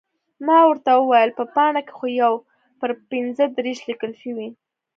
ما ورته وویل، په پاڼه کې خو یو پر پنځه دېرش لیکل شوي.